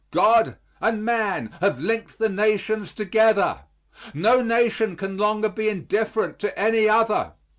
God and man have linked the nations together. No nation can longer be indifferent to any other.